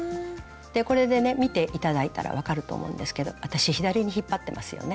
これでね見て頂いたら分かると思うんですけど私左に引っ張ってますよね？